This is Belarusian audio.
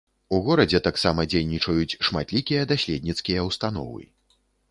У горадзе таксама дзейнічаюць шматлікія даследніцкія ўстановы.